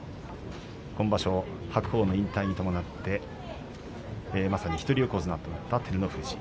今場所、白鵬の引退に伴ってまさに一人横綱となった照ノ富士。